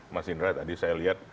mas indra tadi saya lihat